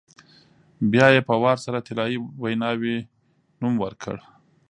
بیا یې په وار سره طلایي ویناوی نوم ورکړ.